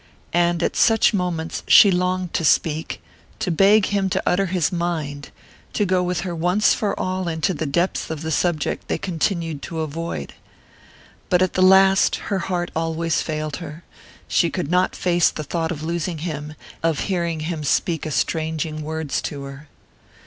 And at such moments she longed to speak, to beg him to utter his mind, to go with her once for all into the depths of the subject they continued to avoid. But at the last her heart always failed her: she could not face the thought of losing him, of hearing him speak estranging words to her.